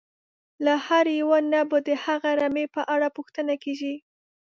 له هر یوه نه به د هغه رمې په اړه پوښتنه کېږي.